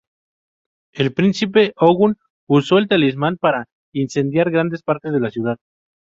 El Príncipe Ogun usó el talismán para incendiar grandes partes de la ciudad.